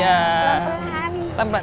sampai jumpa lagi